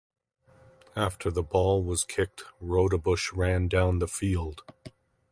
After the ball was kicked, Roudebush ran down the field.